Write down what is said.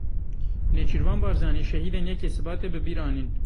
Nêçîrvan Barzanî şehîdên yekê Sibatê bi bîr anîn.